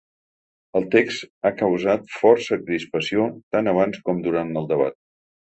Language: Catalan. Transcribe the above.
El text ha causat força crispació tant abans com durant el debat.